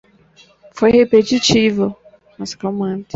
Foi repetitivo? mas calmante.